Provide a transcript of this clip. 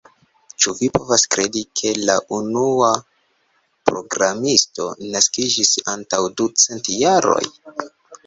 Ĉu vi povas kredi, ke la unua programisto naskiĝis antaŭ ducent jaroj?